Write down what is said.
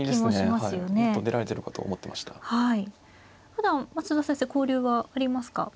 ふだん増田先生交流はありますか。